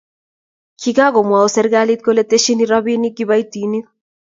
kiakumwou serikali kole tesyini robinik kiboitinik.